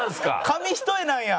紙一重なんや。